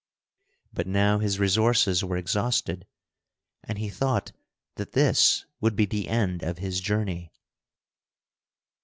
But now his resources were exhausted, and he thought that this would be the end of his journey.